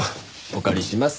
お借りします。